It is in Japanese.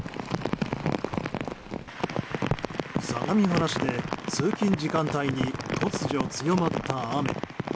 相模原市で通勤時間帯に突如強まった雨。